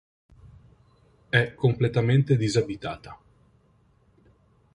È completamente disabitata.